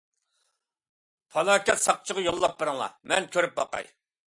پالاكەت ساقچىغا يوللاپ بىرىڭلا، مەن كۆرۈپ باقاي.